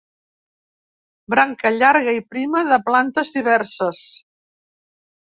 Branca llarga i prima de plantes diverses.